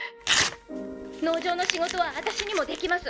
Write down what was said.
農場の仕事は私にもできます。